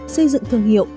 xây dựng thương hiệu